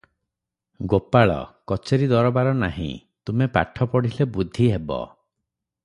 ଗୋପାଳ - "କଚେରି ଦରବାର ନାହିଁ, ତୁମେ ପାଠ ପଢ଼ିଲେ ବୁଦ୍ଧି ହେବ ।"